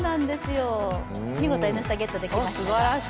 見事「Ｎスタ」、ゲットできました。